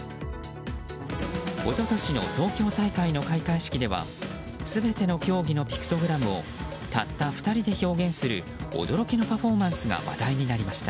一昨年の東京大会の開会式では全ての競技のピクトグラムをたった２人で表現する驚きのパフォーマンスが話題になりました。